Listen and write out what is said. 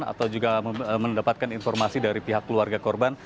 atau juga mendapatkan informasi dari pihak keluarga korban